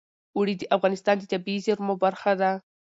اوړي د افغانستان د طبیعي زیرمو برخه ده.